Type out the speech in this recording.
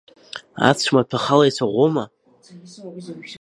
Ацәмаҭәа ахала ицәаӷәома?